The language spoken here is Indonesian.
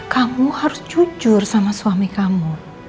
kamu harus jujur sama suami kamu